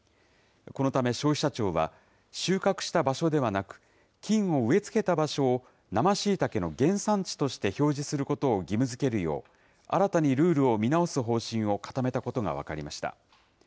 このため、消費者庁は、収穫した場所ではなく、菌を植え付けた場所を、生しいたけの原産地として標示することを義務づけるよう、新たにルールを見直す方針を固めたことが分かりました。